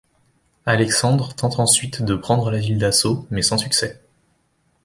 Alexandre tente ensuite de prendre la ville d'assaut, mais sans succès.